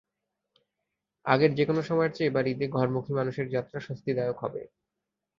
আগের যেকোনো সময়ের চেয়ে এবার ঈদে ঘরমুখী মানুষের যাত্রা স্বস্তিদায়ক হবে।